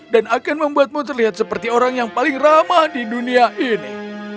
dan akan membuatmu terlihat seperti orang yang paling ramah di dunia ini